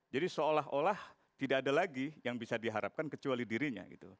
jadi seolah olah tidak ada lagi yang bisa diharapkan kecuali dirinya